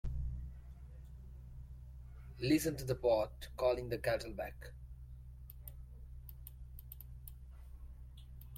Listen to the pot calling the kettle black.